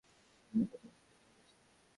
ওখানে তার চমৎকার জীবন আছে।